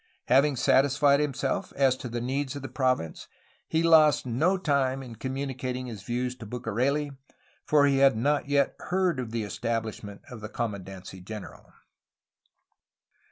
Having satisfied himself as to the needs of the province, he lost no time in communicating his views to Bucareli, for he had not yet heard of the establishment of the commandancy general.